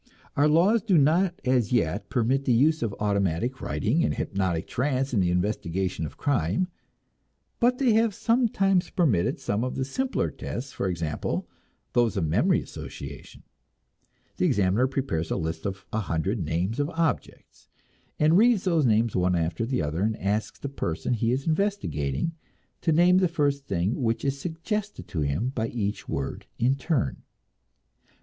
Our laws do not as yet permit the use of automatic writing and the hypnotic trance in the investigation of crime, but they have sometimes permitted some of the simpler tests, for example, those of memory association. The examiner prepares a list of a hundred names of objects, and reads those names one after another, and asks the person he is investigating to name the first thing which is suggested to him by each word in turn.